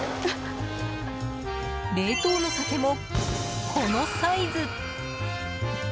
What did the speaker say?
冷凍のサケも、このサイズ！